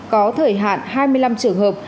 có thời hạn hai mươi năm trường hợp